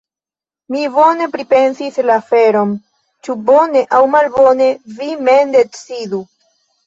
Mi bone pripensis la aferon… ĉu bone aŭ malbone vi mem decidu.